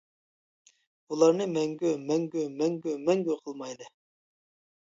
بۇلارنى مەڭگۈ، مەڭگۈ، مەڭگۈ، مەڭگۈ قىلمايلى.